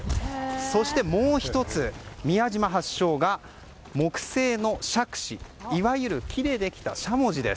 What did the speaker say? そしてもう１つ、宮島発祥が木製の杓子いわゆる木でできた、しゃもじ。